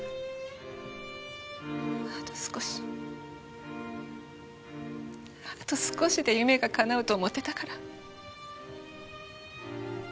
あと少しあと少しで夢がかなうと思ってたから。